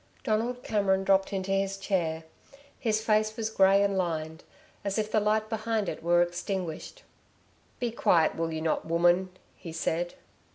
Donald Cameron dropped into his chair. His face was grey and lined, as if the light behind it were extinguished. "Be quiet, will you not, woman," he said.